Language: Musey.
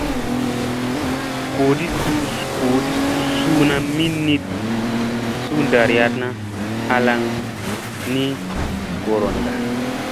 Goodi suuna miniɗ su ɗaryaɗna halaŋga ni gooron da.